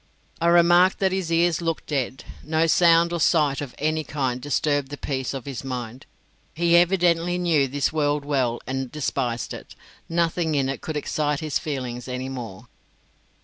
I remarked that his ears looked dead; no sound or sight of any kind disturbed the peace of his mind. He evidently knew this world well and despised it; nothing in it could excite his feelings any more.